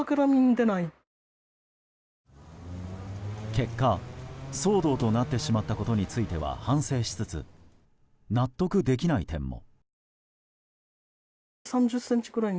結果、騒動となってしまったことについては反省しつつ納得できない点も。